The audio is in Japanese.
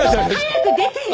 早く出てよ！